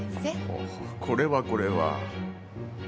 おおこれはこれは